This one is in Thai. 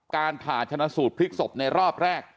การผ่าชนะสูตรพลิกศพในรอบแรก